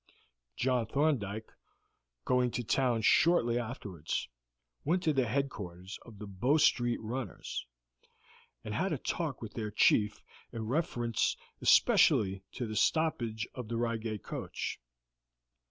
John Thorndyke, going up to town shortly afterwards, went to the headquarters of the Bow Street runners, and had a talk with their chief in reference especially to the stoppage of the Reigate coach.